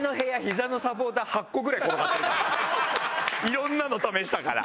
色んなの試したから。